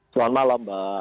selamat malam mbak